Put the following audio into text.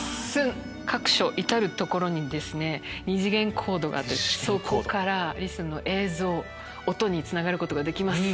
各所至る所にですね二次元コードがあってそこから映像音につながることができます。